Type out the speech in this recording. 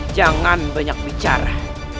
jangan banyak bicara